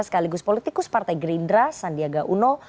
sekaligus politikus partai gerindra sandiaga uno